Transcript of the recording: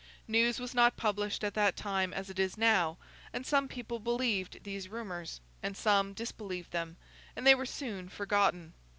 News was not published at that time as it is now, and some people believed these rumours, and some disbelieved them, and they were soon forgotten.